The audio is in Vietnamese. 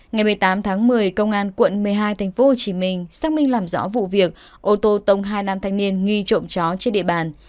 ngày một mươi tám tháng một mươi công an quận một mươi hai tp hcm xác minh làm rõ vụ việc ô tô tông hai nam thanh niên nghi trộm chó trên địa bàn